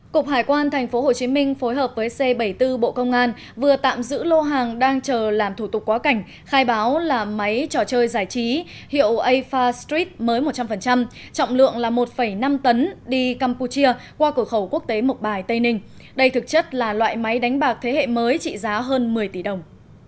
cục hải quan tp hcm phối hợp với c bảy mươi bốn bộ công an vừa tạm giữ lô hàng đang chờ làm thủ tục quá cảnh khai báo là máy trò chơi giải trí hiệu afa street mới một trăm linh trọng lượng là một năm tấn đi campuchia qua cửa khẩu quốc tế mộc bài tây ninh đây thực chất là loại máy đánh bạc thế hệ mới trị giá hơn một mươi tỷ đồng